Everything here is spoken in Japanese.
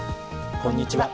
こんにちは。